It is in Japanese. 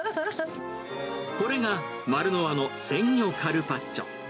これがマルノワの鮮魚カルパッチョ。